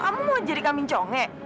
kamu mau jadi kaming conge